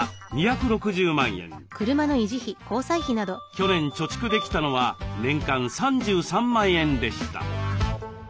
去年貯蓄できたのは年間３３万円でした。